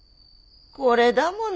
これだもの。